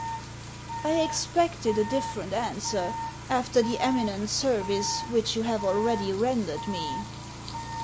"" I expected a different answer, after the eminent ser vice which you have already rendered me."